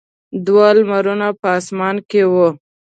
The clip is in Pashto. دوه لمرونه په اسمان کې وو.